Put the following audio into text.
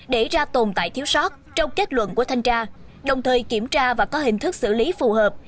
để ra tồn tại thiếu sót trong kết luận của thanh tra đồng thời kiểm tra và có hình thức xử lý phù hợp